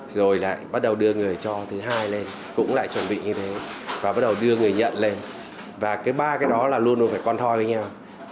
rồi lại bắt đầu đưa người cho thứ hai lên cũng lại chuẩn bị như thế và bắt đầu đưa người nhận lên và cái ba cái đó là luôn luôn phải con thoi với nhau